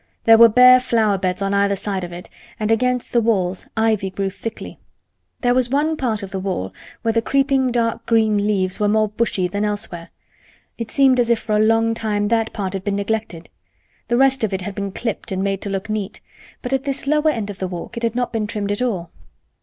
There were bare flower beds on either side of it and against the walls ivy grew thickly. There was one part of the wall where the creeping dark green leaves were more bushy than elsewhere. It seemed as if for a long time that part had been neglected. The rest of it had been clipped and made to look neat, but at this lower end of the walk it had not been trimmed at all.